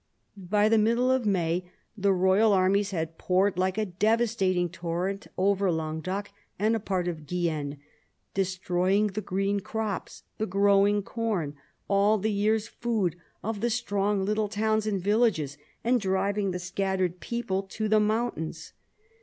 By the middle of May the royal armies had poured like a devastating torrent over Languedoc and part of Guienne, destroying the green crops, the growing corn, all the year's food of the strong little towns and villages, and driving the scattered people to the mountains.